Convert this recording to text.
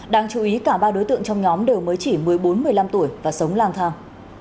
đáng chú ý cả ba đối tượng trong nhóm đều mới chỉ một mươi bốn một mươi năm tuổi và sống lang thang